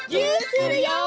するよ！